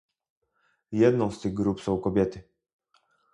Jedną z tych grup są kobiety